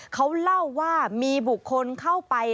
เขาเล่าว่ามีบุคคลเข้าไป